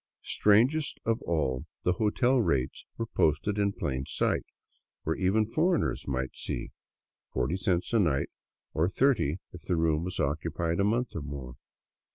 Strangest of all, the hotel rates were posted in plain sight, where even foreigners might see; forty cents a night, or thirty if the room was occupied a month or more.